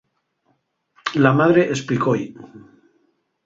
La madre esplicó-y.